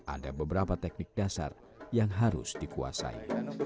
ada beberapa teknik dasar yang harus dikuasai